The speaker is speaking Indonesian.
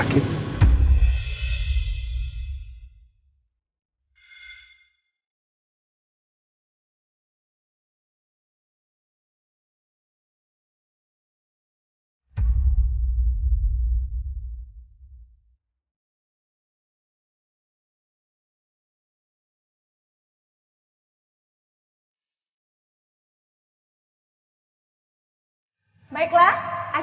takut sampai makan ketawanya